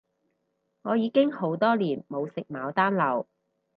我已經好多年冇食牡丹樓